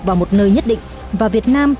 vào một nơi nhất định và việt nam